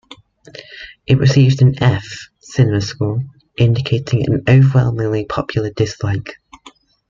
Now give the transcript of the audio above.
It received an "F" CinemaScore, indicating overwhelmingly popular dislike.